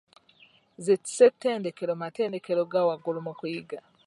Zi ssettendekero matendekero aga waggulu mu kuyiga.